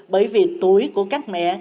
bởi vì tuổi của các mẹ